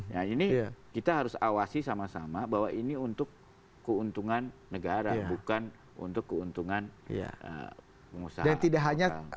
nah ini kita harus awasi sama sama bahwa ini untuk keuntungan negara bukan untuk keuntungan pengusaha